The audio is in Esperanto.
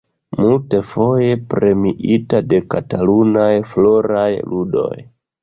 Multfoje premiita de Katalunaj Floraj Ludoj.